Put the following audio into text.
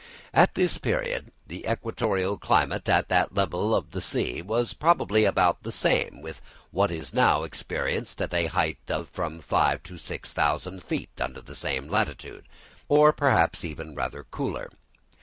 At this period the equatorial climate at the level of the sea was probably about the same with that now experienced at the height of from five to six thousand feet under the same latitude, or perhaps even rather cooler.